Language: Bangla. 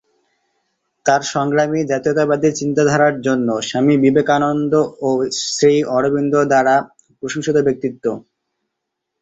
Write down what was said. তাঁর সংগ্রামী জাতীয়তাবাদী চিন্তাধারার জন্য স্বামী বিবেকানন্দ ও শ্রী অরবিন্দ দ্বারা প্রশংসিত ব্যক্তিত্ব।